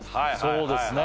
そうですね